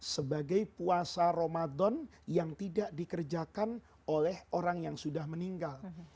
sebagai puasa ramadan yang tidak dikerjakan oleh orang yang sudah meninggal